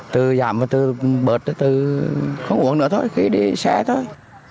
từ giảm từ bệt từ không uổng nữa thôi khi đi xe thôi